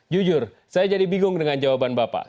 jujur saya jadi bingung dengan jawaban bapak